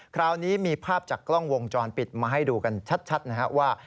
คราวนี้มีภาพจากกล้องวงจรปิดมาให้ดูกันชัดนะครับว่า